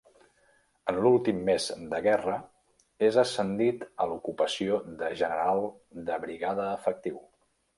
En l'últim mes de guerra és ascendit a l'ocupació de General de Brigada efectiu.